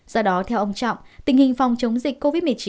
do đó theo ông trọng tình hình phòng chống dịch covid một mươi chín